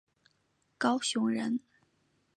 高雄人。